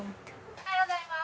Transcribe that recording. おはようございます。